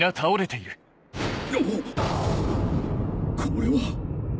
これは。